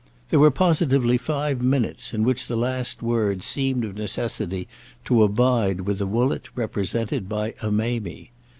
There were positively five minutes in which the last word seemed of necessity to abide with a Woollett represented by a Mamie.